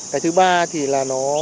cái thứ ba thì là nó